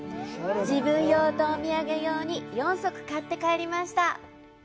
自分用とお土産用に４足、買って帰りました。